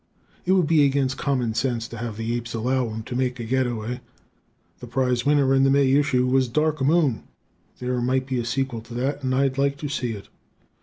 It would be against common sense to have the apes allow him to make a getaway. The prize winner in the May issue was "Dark Moon." There might be a sequel to that, and I'd like to see it.